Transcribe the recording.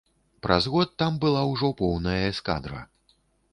Праз год там была ўжо поўная эскадра.